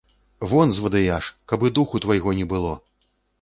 Вон, звадыяш, каб і духу твайго не было.